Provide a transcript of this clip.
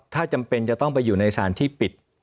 ถ้าจำเป็นจะต้องไปอยู่ในสารที่ปิด